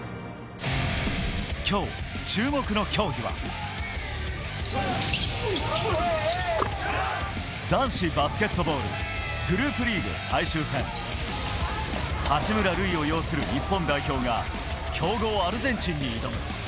今日注目の競技は、男子バスケットボール、グループリーグ最終戦。八村塁を擁する日本代表が強豪・アルゼンチンに挑む。